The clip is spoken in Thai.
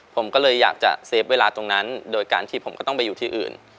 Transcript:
ผมก็เลยอยากจะเซฟเวลาตรงนั้นโดยการที่ผมก็ต้องไปอยู่ที่อื่น